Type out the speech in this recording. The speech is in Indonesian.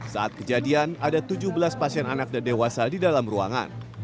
saat kejadian ada tujuh belas pasien anak dan dewasa di dalam ruangan